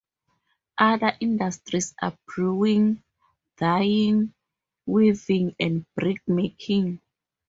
Other industries are brewing, dyeing, weaving and brick-making.